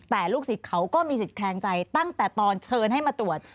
แต่ลูกศิษย์เขาก็มีสิทธิ์แคลงใจตั้งแต่ตอนเชิญให้มาตรวจ